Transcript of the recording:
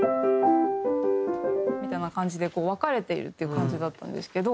みたいな感じで分かれているっていう感じだったんですけど。